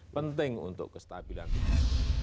penting untuk kestabilan kita